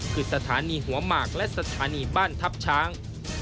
คือสถานีหัวหมากและสถานีบ้านทัพช้าง